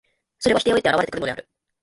それは否定を経て現れてくるのである。